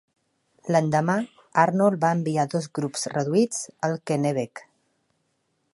L'endemà, Arnold va enviar dos grups reduïts al Kennebec.